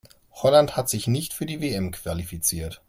Holland hat sich nicht für die WM qualifiziert.